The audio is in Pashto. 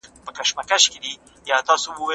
د هغه زمانې نه وه